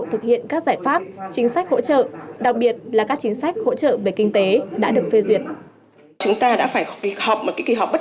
thực hiện các giải pháp chính sách hỗ trợ đặc biệt là các chính sách hỗ trợ về kinh tế đã được phê duyệt